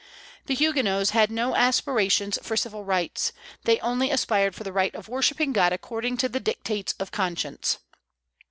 The Huguenots had no aspirations for civil rights; they only aspired for the right of worshipping God according to the dictates of conscience.